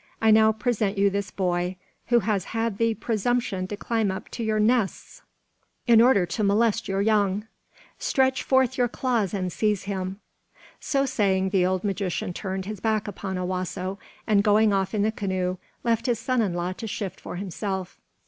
I now present you this boy, who has had the presumption to climb up to your nests in order to molest your young. Stretch forth your claws and seize him." So saying, the old magician turned his back upon Owasso, and going off in the canoe, left his son in law to shift for himself.